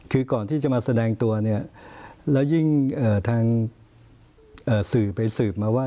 คือก่อนที่จะมาแสดงตัวเนี่ยแล้วยิ่งทางสื่อไปสืบมาว่า